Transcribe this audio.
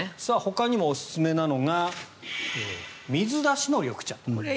ほかにもおすすめなのが水出しの緑茶。